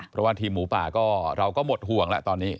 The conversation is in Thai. เพราะว่าทีมหมูป่าก็เราก็หมดห่วงแล้วตอนนี้